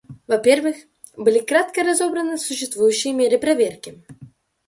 Во-первых, были кратко разобраны существующие меры проверки.